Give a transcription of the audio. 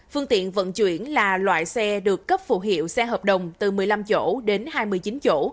phương tiện vận chuyển là loại xe được cấp phụ hiệu xe hợp đồng từ một mươi năm chỗ đến hai mươi chín chỗ